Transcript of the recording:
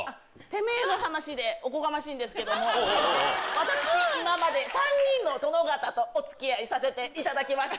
てめぇの話でおこがましいんですけども私今まで３人の殿方とお付き合いさせていただきまして。